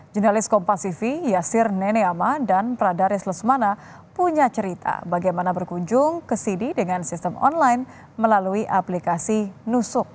jurnalis kompasiv yasir neneama dan pradaris lesmana punya cerita bagaimana berkunjung ke sini dengan sistem online melalui aplikasi nusuk